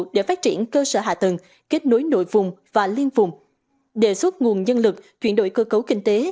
để phát triển cơ sở hạ tầng kết nối nội vùng và liên vùng đề xuất nguồn nhân lực chuyển đổi cơ cấu kinh tế